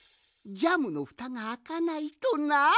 ジャムのふたがあかないとな！